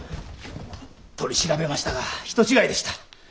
取り調べましたが人違いでした。